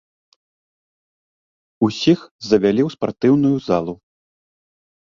Усіх завялі ў спартыўную залу.